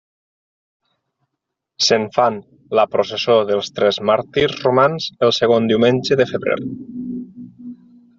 Se'n fan la processó dels tres màrtirs romans el segon diumenge de febrer.